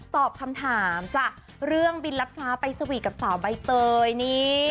ตอบคำถามจากเรื่องบินรัดฟ้าไปสวีทกับสาวใบเตยนี่